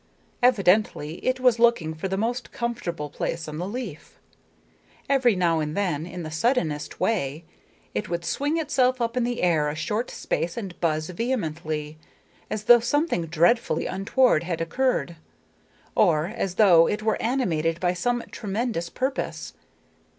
Evidently it was looking for the most comfortable place on the leaf. Every now and then, in the suddennest way, it would swing itself up in the air a short space and buzz vehemently, as though something dreadfully untoward had occurred, or as though it were animated by some tremendous purpose.